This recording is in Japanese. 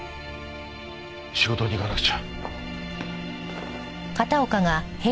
仕事に行かなくちゃ。